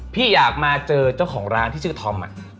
พี่อยากมาเจอเจ้าของร้านที่ชื่อธอม